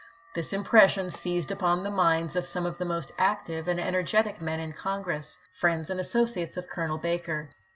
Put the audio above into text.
This impression seized upon the minds of some of the most active and energetic men in Congress, friends and associates of Colonel Baker.